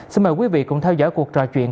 xin mời quý vị cùng theo dõi cuộc trò chuyện